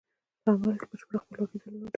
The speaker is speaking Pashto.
په عمل کې یې بشپړه خپلواکي درلوده.